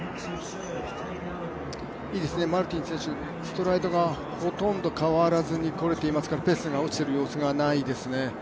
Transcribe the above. マルティン選手、ストライドがほとんど変わらず取れてますからペースが落ちている様子がないですね